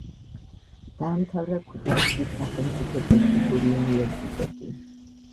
დაამთავრა ქუთაისის სახელმწიფო ტექნიკური უნივერსიტეტი.